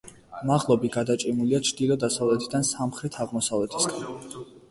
მაღლობი გადაჭიმულია ჩრდილო-დასავლეთიდან სამხრეთ-აღმოსავლეთისაკენ.